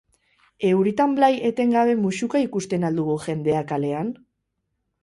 Euritan blai etengabe muxuka ikusten al dugu jendea kalean?